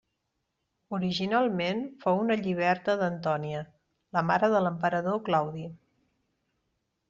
Originalment fou una lliberta d'Antònia, la mare de l'emperador Claudi.